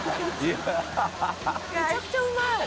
めちゃくちゃうまい！